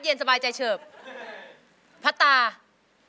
เคยมีคุณพี่เห็นไหม